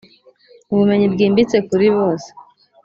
ubumenyi bwimbitse kuri bose